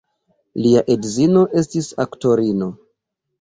Lia edzino estis aktorino.